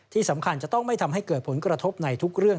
ที่สำคัญจะต้องไม่ทำให้เกิดผลกระทบในทุกเรื่อง